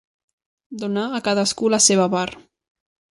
Donar a cadascú la seva part.